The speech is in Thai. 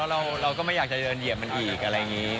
เราก็ไม่อยากจะเดินเหยียบมันอีกอะไรอย่างนี้